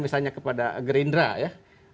misalnya kepada gerindra ya